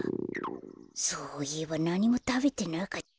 そういえばなにもたべてなかった。